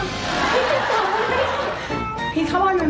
พี่ที่บอกมันไม่ได้